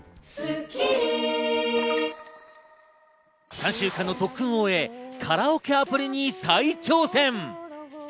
３週間の特訓を終え、カラオケアプリに再挑戦。